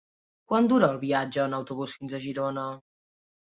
Quant dura el viatge en autobús fins a Girona?